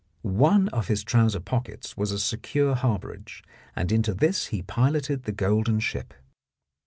One of his trouser pockets was a secure harbourage, and into this he piloted the golden ship.